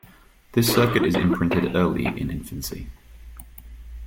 This circuit is imprinted early in infancy.